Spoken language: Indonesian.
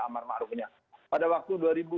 amar maruhnya pada waktu dua ribu sepuluh